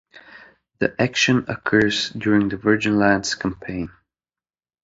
The action occurs during the Virgin Lands campaign.